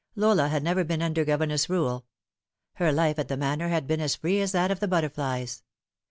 Lola had never been under governess rule. Her life at the Manor had been as free as that of the butterflies.